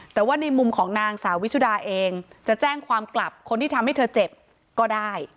แต่ว่าในมุมของนางสาววิชุดาเองจะแจ้งความกลับคนที่ทำให้เธอเจ็บก็ได้